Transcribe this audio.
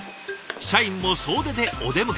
社員も総出でお出迎え。